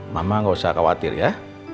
mama gak usah khawatir ya